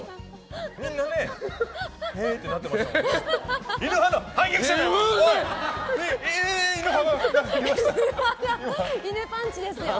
みんなねへーってなってましたからね。